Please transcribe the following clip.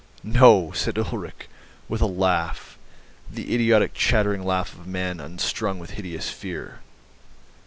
"No," said Ulrich with a laugh, the idiotic chattering laugh of a man unstrung with hideous fear.